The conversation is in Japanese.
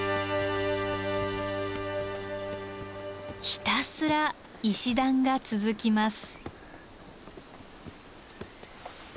ひたすら石段が続きます。